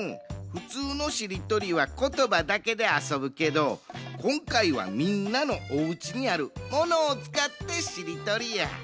ふつうのしりとりはことばだけであそぶけどこんかいはみんなのおうちにある「モノ」をつかってしりとりや。